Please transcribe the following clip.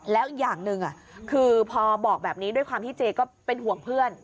แล้วอย่างหนึ่งคือพอบอกแบบนี้ด้วยความที่เจก็เป็นห่วงเพื่อน